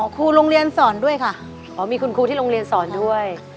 ครูโรงเรียนสอนด้วยค่ะอ๋อมีคุณครูที่โรงเรียนสอนด้วย